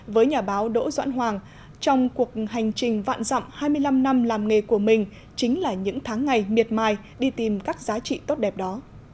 với nhà báo đỗ doãn hoàng trong cuộc hành trình vạn dặm hai mươi năm năm làm nghề của mình chính là những tháng ngày miệt mài đi tìm các giá trị tốt đẹp đó